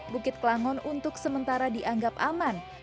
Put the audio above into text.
bukit kelangon untuk sementara dianggap aman